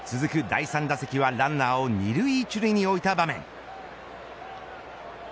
第３打席はランナーを２塁１塁に置いた場面。